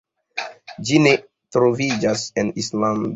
Ĝi ne troviĝas en Islando.